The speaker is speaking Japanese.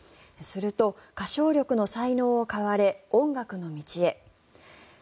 すると、歌唱力の才能を買われ音楽の道へ。